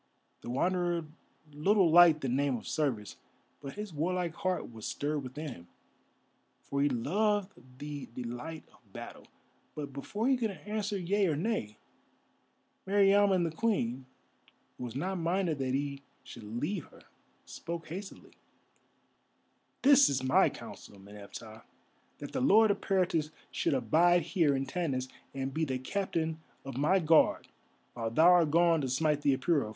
The Wanderer little liked the name of service, but his warlike heart was stirred within him, for he loved the delight of battle. But before he could answer yea or nay, Meriamun the Queen, who was not minded that he should leave her, spoke hastily: "This is my counsel, Meneptah, that the Lord Eperitus should abide here in Tanis and be the Captain of my Guard while thou art gone to smite the Apura.